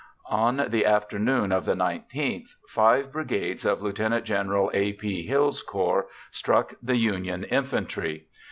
On the afternoon of the 19th, five brigades of Lt. Gen. A. P. Hill's Corps struck the Union infantry.